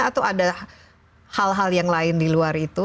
atau ada hal hal yang lain di luar itu